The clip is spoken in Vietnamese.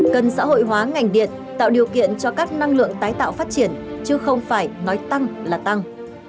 cần xã hội hóa ngành điện tạo điều kiện cho các năng lượng tái tạo phát triển chứ không phải nói tăng là tăng